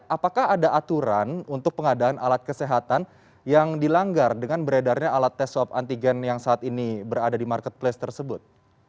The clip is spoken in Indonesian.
apakah ada aturan untuk pengadaan alat kesehatan yang dilanggar dengan beredarnya alat tes swab antigen yang saat ini berada di marketplace tersebut